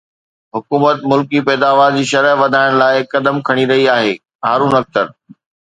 حڪومت ملڪي پيداوار جي شرح وڌائڻ لاءِ قدم کڻي رهي آهي هارون اختر